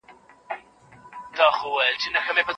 د ادب شننه د څېړونکي دنده ده.